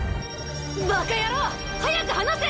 バカ野郎！早く離せ！